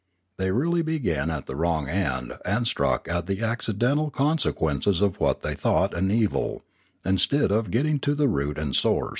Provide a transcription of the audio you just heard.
They really began at the wrong end and struck at the accidental consequences of what they thought an evil, instead of getting to the root and source.